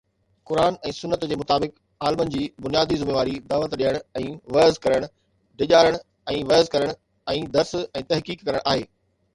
قرآن ۽ سنت جي مطابق عالمن جي بنيادي ذميواري دعوت ڏيڻ ۽ وعظ ڪرڻ، ڊيڄارڻ ۽ وعظ ڪرڻ ۽ درس ۽ تحقيق ڪرڻ آهي.